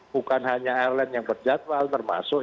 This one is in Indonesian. bukan hanya airline yang berjadwal termasuk